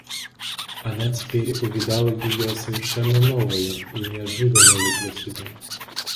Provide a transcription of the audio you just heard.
Она теперь увидала ее совершенно новою и неожиданною для себя.